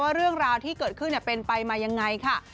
เรื่องราวที่เกิดขึ้นเป็นไปมายังไงค่ะ